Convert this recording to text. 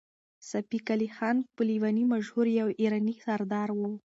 صفي قلي خان په لېوني مشهور يو ایراني سردار و.